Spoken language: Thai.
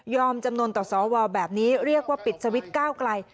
ยอมจำนวนต่อสอวรแบบนี้เรียกว่าปิดสวิทธิ์ก้าวกลาย